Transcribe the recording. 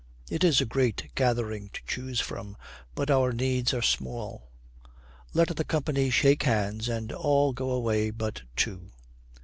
It is a great gathering to choose from, but our needs are small. Let the company shake hands, and all go away but two.